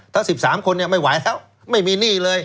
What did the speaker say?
ถ้า๑๓คนเนี่ยไม่ไหวแล้วไม่มีหนี้เลย